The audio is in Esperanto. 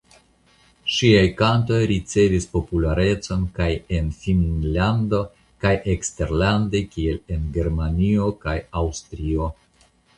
Ŝiaj kantoj ricevis popularecon kaj en Finnlando kaj eksterlande kiel en Germanio kaj Aŭstrio.